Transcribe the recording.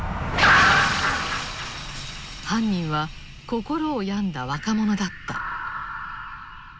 犯人は心を病んだ若者だった。